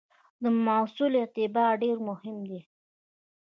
د محصول اعتبار ډېر مهم دی.